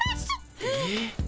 えっ？